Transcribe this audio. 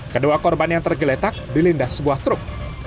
kedua korban yang tergeletak dilindas sebuah truk